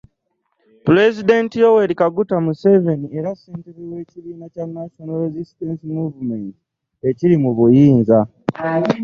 Pulezidenti Yoweri Kaguta Museveni era Ssentebe w'ekibiina kya National Resistance Movementi ekiri mu buyinza